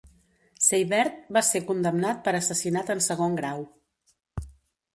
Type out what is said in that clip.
Seibert va ser condemnat per assassinat en segon grau.